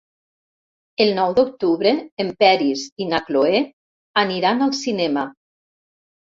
El nou d'octubre en Peris i na Cloè aniran al cinema.